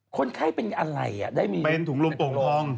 คนไข้เป็นอะไรได้มีเป็นถุงลมโปร่ง